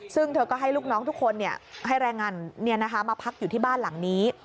ซึ่งเธอก็ให้ลูกน้องทุกคนให้แรงงานมาพักอยู่ที่บ้านหลังนี้